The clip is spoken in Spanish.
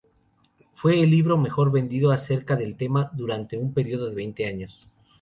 Fue el libro mejor vendido acerca del tema durante un periodo de veinte años.